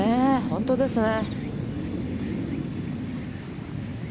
本当ですね。